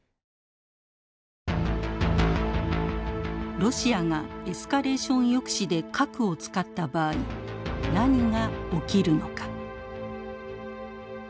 ロシアがエスカレーション抑止で核を使った場合何が起きるのか。